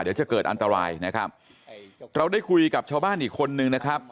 เดี๋ยวจะเกิดอันตรายนะครับเราได้คุยกับชาวบ้านอีกคนนึงนะครับ